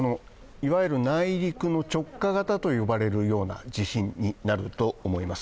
いわゆる内陸の直下型と呼ばれるような地震になると思います。